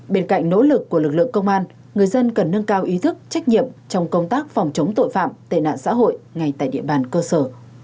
bên cạnh nỗ lực của lực lượng công an người dân cần nâng cao ý thức trách nhiệm trong công tác phòng chống tội phạm tệ nạn xã hội ngay tại địa bàn cơ sở